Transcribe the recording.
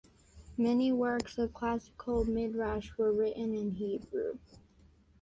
Many works of classical midrash were written in Hebrew.